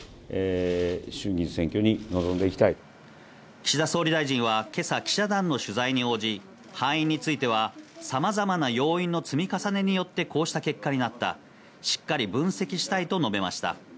岸田総理大臣は今朝、記者団の取材に応じ、敗因についてはさまざまな要因の積み重ねによってこうした結果になった、しっかり分析したいと述べました。